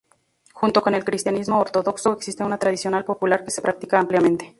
Junto con el cristianismo ortodoxo, existe una tradicional popular que se practica ampliamente.